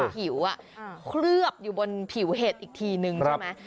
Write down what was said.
ผิวเคลือบอยู่บนผิวเห็ดอีกทีนึงใช่ไหม